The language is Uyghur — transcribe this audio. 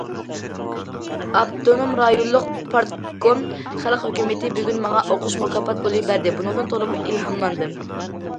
ئاپتونوم رايونلۇق پارتكوم، خەلق ھۆكۈمىتى بۈگۈن ماڭا ئوقۇش مۇكاپات پۇلى بەردى، بۇنىڭدىن تولىمۇ ئىلھاملاندىم.